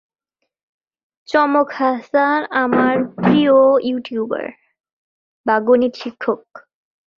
দুটি হল রয়েছে, এটি একতলা।